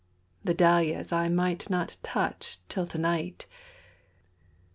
The dahlias I might not touch till to night!